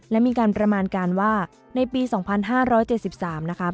และมีการประมาณการว่าในปี๒๕๗๓นะคะ